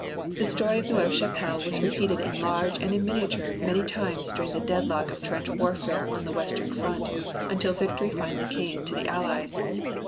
The story of Neuve Chapelle was repeated in large and in miniature many times during the deadlock of trench warfare on the western front until victory finally came to the Allies.